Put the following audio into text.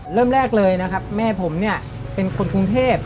เริ่มแรกเลยนะครับแม่ผมเนี่ยเป็นคนกรุงเทพ